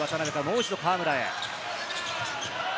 もう一度、河村へ。